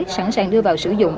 sẵn sàng đưa vào sử dụng